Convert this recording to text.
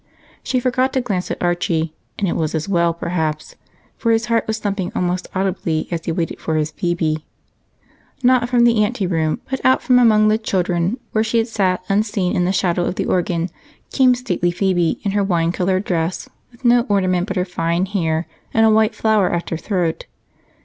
She forgot to glance at Archie, and it was as well perhaps, for his heart was thumping almost audibly as he waited for his Phebe. Not from the anteroom, but out among the children, where she had sat unseen in the shadow of the organ, came stately Phebe in her wine colored dress, with no ornament but her fine hair and a white flower at her throat.